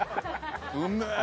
うめえ！